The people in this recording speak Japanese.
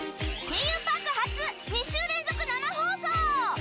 「声優パーク」初２週連続生放送！